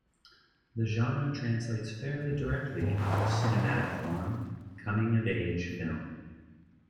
The genre translates fairly directly into cinematic form, the coming-of-age film.